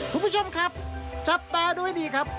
คุณผู้ชมครับจับตาดูให้ดีครับ